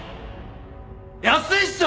安いっしょ！